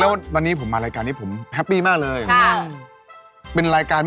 แล้วก็ไม่รู้ว่ามีใครที่ว่ามีขนาดกะดุล